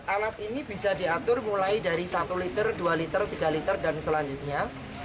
alat ini bisa diatur mulai dari satu liter dua liter tiga liter dan selanjutnya